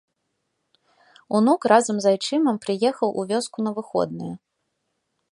Унук разам з айчымам прыехаў у вёску на выходныя.